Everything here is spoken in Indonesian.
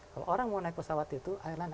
kalau orang mau naik pesawat itu airline